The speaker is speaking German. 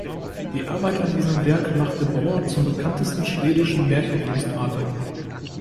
Die Arbeit an diesem Werk machte Bauer zum bekanntesten schwedischen Märchen-Illustrator.